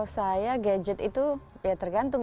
saya gadget itu ya tergantung